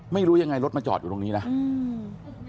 ไม่รู้ยังไงรถมาจอดอยู่ตรงนี้นะอืม